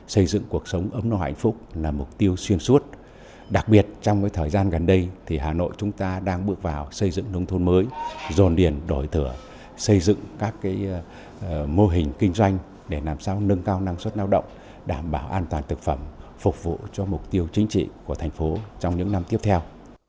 xây dựng cuộc sống ấm nâu hạnh phúc là mục tiêu xuyên suốt đặc biệt trong thời gian gần đây thì hà nội chúng ta đang bước vào xây dựng nông thôn mới dồn điền đổi thửa xây dựng các mô hình kinh doanh để làm sao nâng cao năng suất lao động đảm bảo an toàn thực phẩm phục vụ cho mục tiêu chính trị của thành phố trong những năm tiếp theo